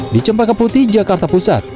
di cempaka putih jakarta pusat